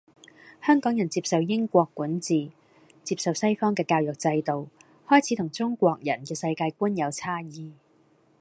香港人接受英國管治，接受西方嘅教育制度，開始同中國人嘅世界觀有差異